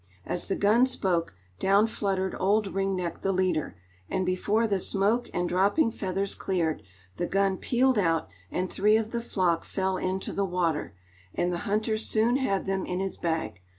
As the gun spoke, down fluttered old Ring Neck the leader, and before the smoke and dropping feathers cleared, the gun pealed out and three of the flock fell into the water, and the hunter soon had them in his bag.